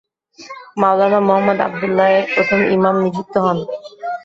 মাওলানা মুহাম্মদ আব্দুল্লাহ এর প্রথম ইমাম নিযুক্ত হন।